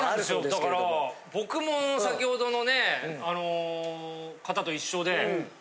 だから僕も先程のねあの方と一緒で。